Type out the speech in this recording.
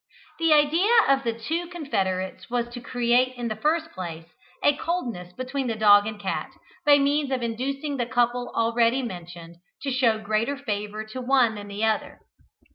The idea of the two confederates was to create in the first place a coldness between the dog and cat, by means of inducing the couple already mentioned, to show greater favour to one than the other.